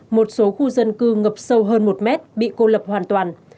một số khu dân cư ngập sâu hơn một mét bị cô lập hoàn toàn